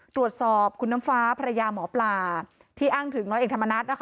ตรวจสอบคุณน้ำฟ้าภรรยาหมอปลาที่อ้างถึงร้อยเอกธรรมนัฐนะคะ